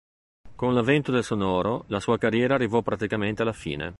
Con l'avvento del sonoro, la sua carriera arrivò praticamente alla fine.